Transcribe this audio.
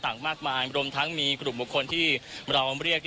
ต่างมากมายรวมทั้งมีกลุ่มบุคคลที่เราเรียก